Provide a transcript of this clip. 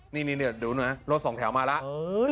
นี่ดูหน่อยรถสองแถวมาแล้ว